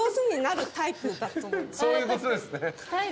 そういうことですね。